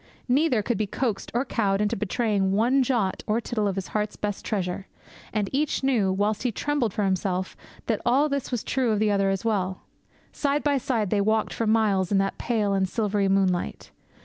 Neither could be coaxed or cowed into betraying one jot or tittle of his heart's best treasure. And each knew, whilst he trembled for himself, that all this was true of the other as well. Side by side they walked for miles in that pale and silvery moonlight.